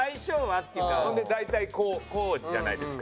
大体こうじゃないですか。